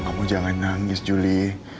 kamu jangan nangis juli